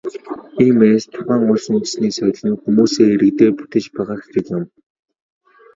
Иймээс, тухайн улс үндэстний соёл нь хүмүүсээ, иргэдээ бүтээж байгаа хэрэг юм.